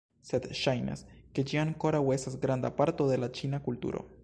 Sed ŝajnas, ke ĝi ankoraŭ estas granda parto de la ĉina kulturo